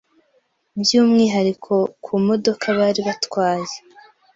by’umwihariko ku modoka bari batwaye.